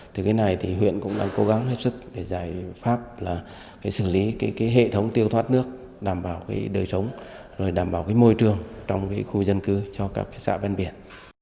từ cái này thì huyện cũng đang cố gắng hết sức để giải pháp là xử lý hệ thống tiêu thoát nước đảm bảo đời sống đảm bảo môi trường trong khu dân cư cho các xã ven biển